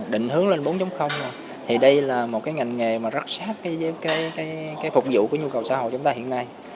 định hướng lên bốn thì đây là một cái ngành nghề mà rất sát với cái phục vụ của nhu cầu xã hội chúng ta hiện nay